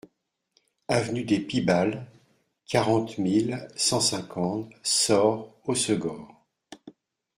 Avenue des Pibales, quarante mille cent cinquante Soorts-Hossegor